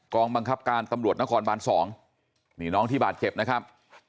บังคับการตำรวจนครบาน๒นี่น้องที่บาดเจ็บนะครับ